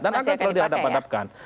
dan akan selalu dihadap hadapkan